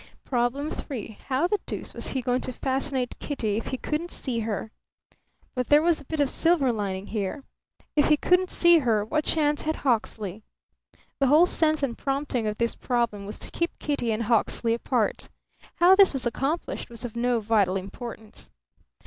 Problem Three. How the deuce was he going to fascinate Kitty if he couldn't see her? But there was a bit of silver lining here. If he couldn't see her, what chance had Hawksley? The whole sense and prompting of this problem was to keep Kitty and Hawksley apart. How this was accomplished was of no vital importance.